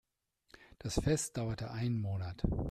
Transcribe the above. Das Fest dauerte einen Monat.